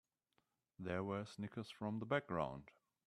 There were snickers from the background.